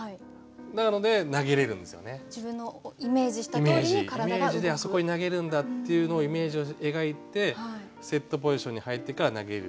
イメージであそこに投げるんだっていうのをイメージを描いてセットポジションに入ってから投げる。